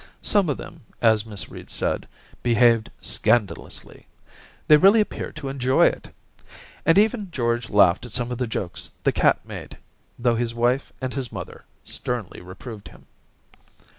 Some of them, as Miss Reed said, behaved scandalously ; they really appeared to enjoy it. And even George laughed at some of the jokes the cat made, though his wife and his mother sternly reproved him.